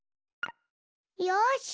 よし！